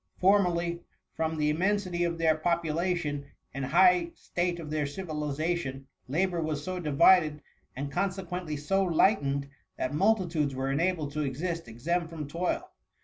Formerly, from the immensity of their popu lation, and high state of their civilization, la bour was so divided, and consequently so light ened, that multitudes were enabled to exist exempt from toil.